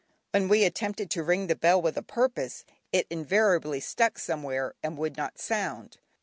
When we attempted to ring the bell with a purpose, it invariably stuck somewhere and would not sound.